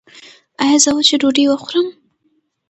ایا زه وچه ډوډۍ وخورم؟